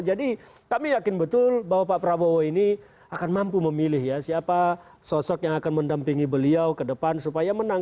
jadi kami yakin betul bahwa pak prabowo ini akan mampu memilih ya siapa sosok yang akan mendampingi beliau ke depan supaya menang